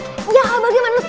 orangnya terlalu semangat